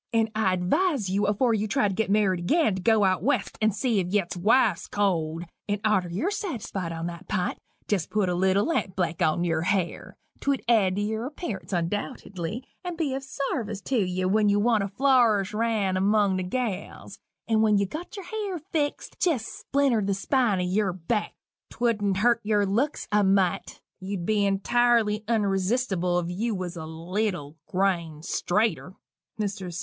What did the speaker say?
And I advise you afore you try to git married agin, to go out West and see 'f yet wife's cold and arter ye're satisfied on that pint, jest put a little lampblack on yer hair 'twould add to yer appearance undoubtedly, and be of sarvice tew you when you want to flourish round among the gals and when ye've got yer hair fixt, jest splinter the spine o' yerback 'twould'n' hurt yer looks a mite you'd be intirely unresistible if you was a leetle grain straiter." MR.